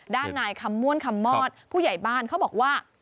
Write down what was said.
ด้านนายคำม่วนคำมอดผู้ใหญ่บ้านเขาบอกว่า